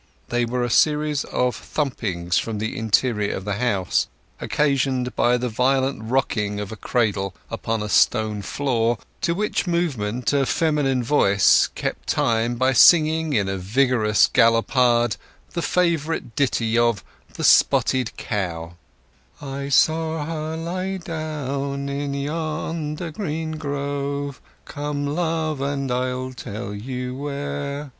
They were a regular series of thumpings from the interior of the house, occasioned by the violent rocking of a cradle upon a stone floor, to which movement a feminine voice kept time by singing, in a vigorous gallopade, the favourite ditty of "The Spotted Cow"— I saw her lie do′ own in yon′ der green gro′ ove; Come, love!′ and I'll tell′ you where!